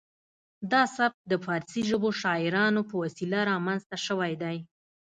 دا سبک د پارسي ژبو شاعرانو په وسیله رامنځته شوی دی